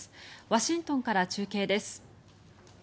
ワシントンから中継です。